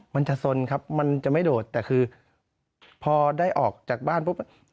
มันจะสนครับมันจะไม่โดดแต่คือพอได้ออกจากบ้านปุ๊บ